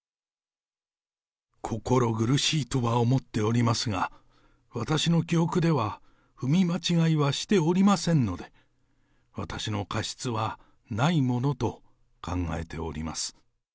心苦しいとは思っておりますが、私の記憶では踏み間違いはしておりませんので、私の過失はないものと考えております。